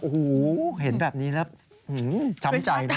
โอ้โหเห็นแบบนี้แล้วช้ำใจนะ